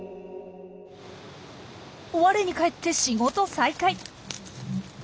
我に返って仕事再開。